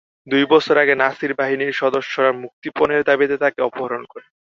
দুই বছর আগে নাসির বাহিনীর সদস্যরা মুক্তিপণের দাবিতে তাঁকে অপহরণ করে।